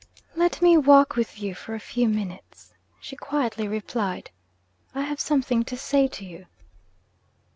'Let me walk with you for a few minutes,' she quietly replied. 'I have something to say to you.'